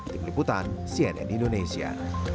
tim liputan cnn indonesia